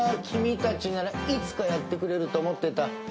君たちならいつかやってくれると思ってた。